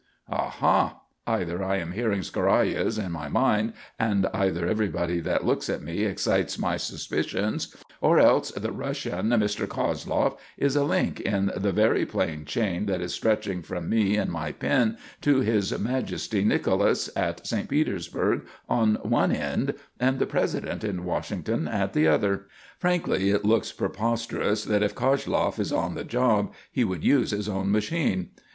"Aha! Either I am hearing scorayas in my mind, and either everybody that looks at me excites my suspicions, or else the Russian Mr. Koshloff is a link in the very plain chain that is stretching from me and my pin to His Majesty Nicholas, at St. Petersburg on one end, and the President in Washington at the other. Frankly, it looks preposterous that if Koshloff is on the job, he would use his own machine.